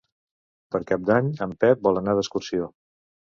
Per Cap d'Any en Pep vol anar d'excursió.